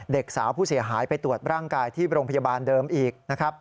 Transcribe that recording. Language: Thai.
เด็กสาวผู้เสียหายไปตรวจร่างกายที่โรงพยาบาลเดิมอีกนะครับ